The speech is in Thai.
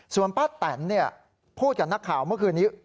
ส่วนป้าแตนพูดกับนักข่าวเมื่อคืนนี้